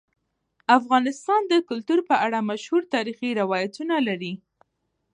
افغانستان د کلتور په اړه مشهور تاریخی روایتونه لري.